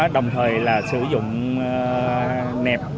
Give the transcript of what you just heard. đồng thời là sử dụng nẹp